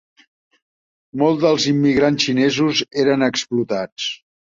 Molts dels immigrants xinesos eren explotats.